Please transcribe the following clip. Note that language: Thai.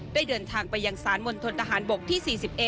ได้เดินทางไปยังศาลมนตรฐานบกที่๔๑